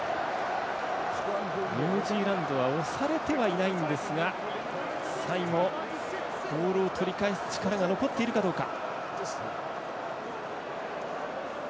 ニュージーランドは押されてはいないんですが最後、ボールを取り返す力が残っているかどうか。